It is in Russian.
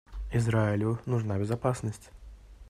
Израилю нужна безопасность.